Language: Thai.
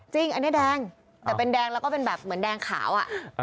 จริงอันนี้แดงแต่เป็นแดงแล้วก็เป็นแบบเหมือนแดงขาวอ่ะ